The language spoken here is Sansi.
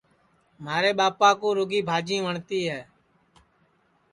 مھارے ٻاپا کُو رُگی بھجی وٹؔتی ہے